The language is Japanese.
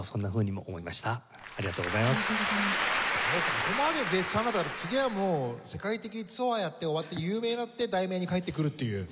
ここまで絶賛だったから次はもう世界的にツアーをやって終わって有名になって『題名』に帰ってくるという。